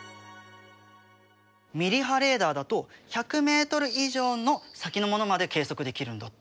ミリ波レーダーだと１００ｍ以上の先のものまで計測できるんだって。